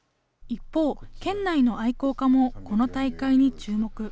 一方、県内の愛好家もこの大会に注目。